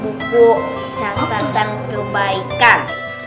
buku catatan kebaikan